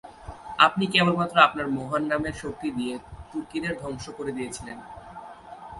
আপনি কেবলমাত্র আপনার মহান নামের শক্তি দিয়ে তুর্কিদের ধ্বংস করে দিয়েছিলেন।